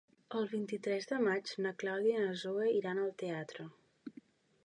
El vint-i-tres de maig na Clàudia i na Zoè iran al teatre.